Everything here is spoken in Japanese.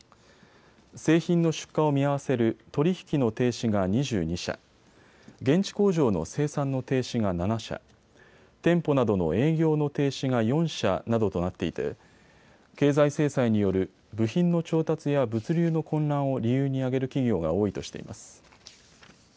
製品の出荷を見合わせる取り引きの停止が２２社、現地工場の生産の停止が７社、店舗などの営業の停止が４社などとなっていて経済制裁による部品の調達や物流の混乱を理由に挙げる企業が多いとしています。